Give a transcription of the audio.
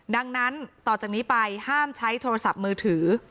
ดังนั้นต่อจากนี้ไปห้ามใช้โทรศัพท์มือถือ